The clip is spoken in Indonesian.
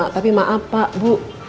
tapi maaf pak bu